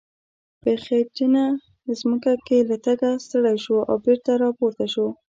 په خټینه ځمکه کې له تګه ستړی شو او بېرته را پورته شو.